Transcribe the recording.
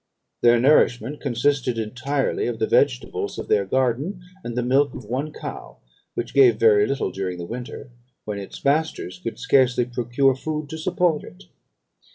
Their nourishment consisted entirely of the vegetables of their garden, and the milk of one cow, which gave very little during the winter, when its masters could scarcely procure food to support it.